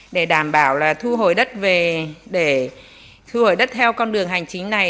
để đảm bảo là thu hồi đất theo con đường hành chính này